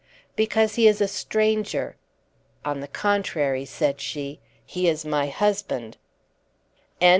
"Because he is a stranger." "On the contrary," said she, "he is my husband!"